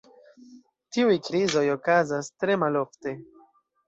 Tiuj krizoj okazas tre malofte.